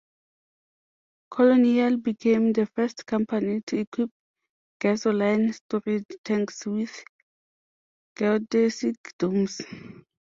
Colonial became the first company to equip gasoline storage tanks with geodesic domes.